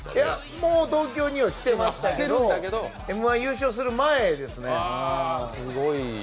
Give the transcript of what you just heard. もう東京には来てるんですけどＭ−１優勝する前ですね。